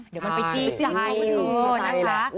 เดี๋ยวมันไปจี้ใจดูนะคะ